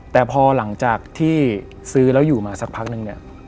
แต่พอหลังจากที่ซื้อแล้วอยู่มาสักพักนึงเนี่ย